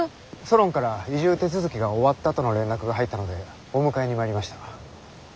ソロンから移住手続きが終わったとの連絡が入ったのでお迎えに参りました。